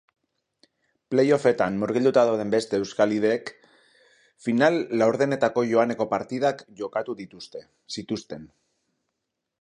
Playoffetan murgilduta dauden beste euskal ldeek final-laurdenetako joaneko partidak jokatu zituzten.